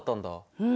うん。